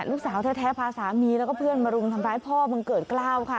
ลูกสาวแท้พาสามีแล้วก็เพื่อนมารุมทำร้ายพ่อบังเกิดกล้าวค่ะ